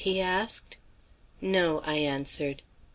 he asked. "No," I answered.